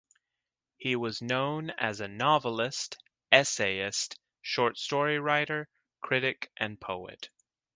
He was known as a novelist, essayist, short story writer, critic and poet.